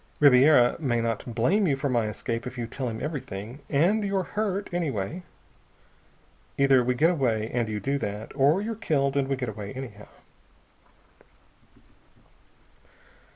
Ribiera may not blame you for my escape if you tell him everything and you're hurt, anyway. Either we get away, and you do that, or you're killed and we get away anyhow."